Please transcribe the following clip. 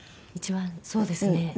一番そうですね。